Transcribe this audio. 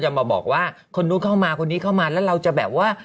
มาบอกว่าคนนู้นเข้ามาคนนี้เข้ามาแล้วเราจะแบบว่า